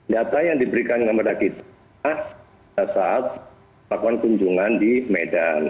datanya yang diberikan kepada kita saat melakukan kunjungan di medan di pts